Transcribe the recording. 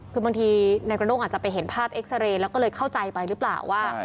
คือบางทีนายกระโน้งอาจจะไปเห็นภาพเอ็กซาเรย์แล้วก็เลยเข้าใจไปหรือเปล่าว่า